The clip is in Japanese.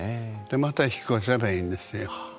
また引っ越せばいんですよ。